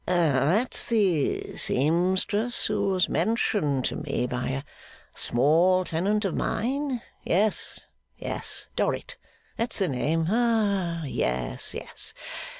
That's the seamstress who was mentioned to me by a small tenant of mine? Yes, yes. Dorrit? That's the name. Ah, yes, yes!